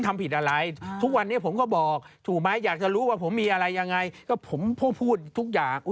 ท่านกลัวมั้ยคะประปบงอเข้ามาแล้ว